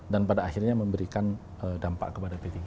dan pada akhirnya memberikan dampak kepada p tiga